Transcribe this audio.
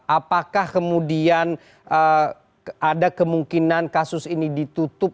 apakah kemudian ada kemungkinan kasus ini ditutup